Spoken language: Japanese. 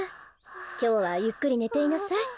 きょうはゆっくりねていなさい。